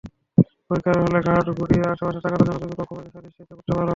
পরীক্ষার হলে ঘাড় ঘুড়িয়ে আশপাশে তাকানোর জন্যও তুমি কক্ষপরিদর্শকের দৃষ্টিতে পড়তে পারো।